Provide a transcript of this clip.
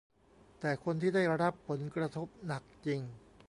แต่คนที่ได้รับผลกระทบหนักจริง